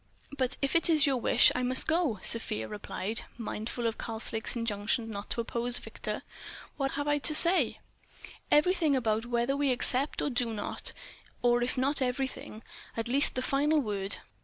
"But if it is your wish, I must go," Sofia replied, mindful of Karslake's injunction not to oppose Victor. "What have I to say—?" "Everything about whether we accept or do not—or if not everything, at least the final word.